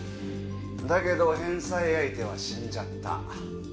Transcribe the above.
だけど返済相手は死んじゃった。